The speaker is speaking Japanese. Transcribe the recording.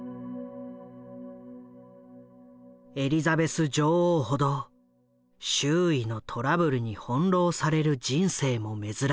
エリザベス女王ほど周囲のトラブルに翻弄される人生も珍しい。